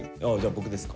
僕ですか。